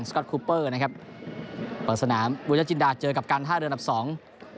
ก็อตคูเปอร์นะครับเปิดสนามบุญจินดาเจอกับการท่าเรืออันดับสอง